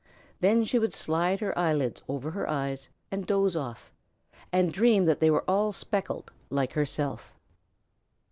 Then she would slide her eyelids over her eyes, and doze off, and dream that they were all speckled like herself.